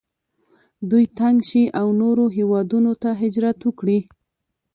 دوی تنګ شي او نورو هیوادونو ته هجرت وکړي.